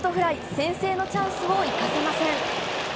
先制のチャンスを生かせません。